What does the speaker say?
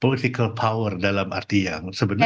political power dalam arti yang sebenarnya